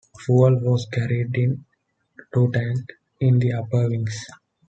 Fuel was carried in two tanks in the upper wings.